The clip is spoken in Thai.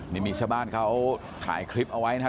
นี่มีชาวบ้านเขาถ่ายคลิปเอาไว้นะครับ